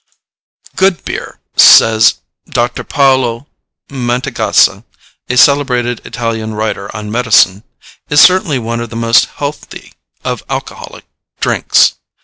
"Good beer," says Dr. Paolo Mantegazza, a celebrated Italian writer on medicine, "is certainly one of the most healthy of alcoholic drinks.